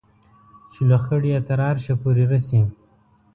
چې لوخړې یې تر عرشه پورې رسي